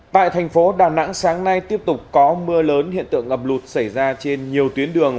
tại thành phố đà nẵng sáng nay tiếp tục có mưa lớn hiện tượng ngập lụt xảy ra trên nhiều tuyến đường